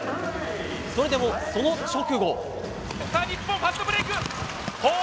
それでも、その直後。